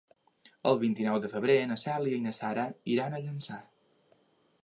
El vint-i-nou de febrer na Cèlia i na Sara iran a Llançà.